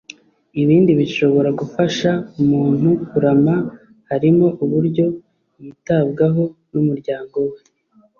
Ibindi bishobora gufasha umuntu kurama harimo uburyo yitabwaho n'umuryango we